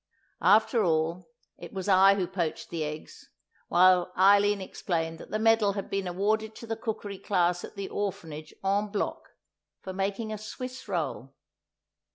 After all, it was I who poached the eggs, while Eileen explained that the medal had been awarded to the cookery class at the orphanage en bloc, for making a Swiss roll.